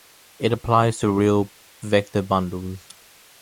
It applies to real vector bundles.